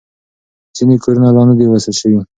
ځینې کورونه لا نه دي وصل شوي.